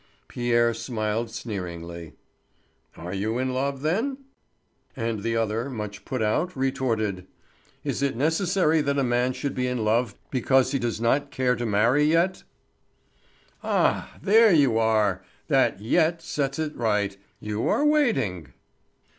Pierre smiled sneeringly: "Are you in love, then?" And the other, much put out, retorted: "Is it necessary that a man should be in love because he does not care to marry yet?" "Ah, there you are! That 'yet' sets it right; you are waiting."